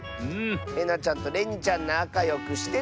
えなちゃんとれにちゃんなかよくしてね！